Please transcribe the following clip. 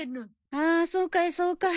あーそうかいそうかい。